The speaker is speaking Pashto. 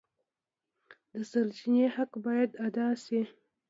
د سرچینې حق باید ادا شي.